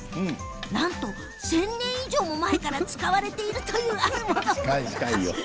なんと１０００年以上前から使われているというもの。